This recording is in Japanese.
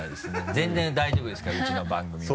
全然大丈夫ですからうちの番組は。